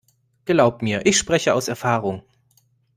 Glaub mir, ich spreche aus Erfahrung.